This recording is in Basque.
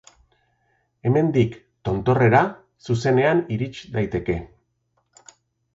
Hemendik, tontorrera, zuzenean iris daiteke.